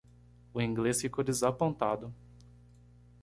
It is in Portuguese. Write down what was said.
O inglês ficou desapontado.